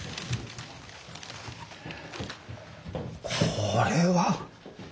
これは！